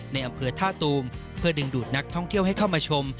ในอำเภอท่าตูม